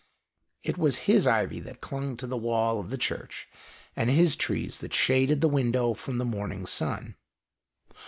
It was his ivy that clung to the wall of the Church, and his trees that shaded the window from the morning sun.